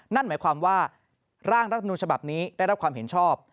นั่นหมายความว่าร่างรัฐมนูญฉบับนี้ได้รับความเห็นชอบ